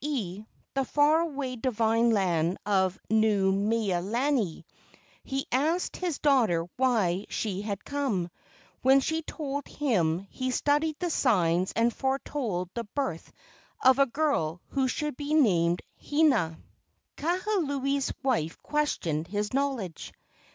e. y the far away divine land of Nuu mea lani. He asked his daughter why she had come, and when she told him he studied the signs and foretold the birth of a girl who should be named Hina. 164 LEGENDS OF GHOSTS Kahuli's wife questioned his knowledge.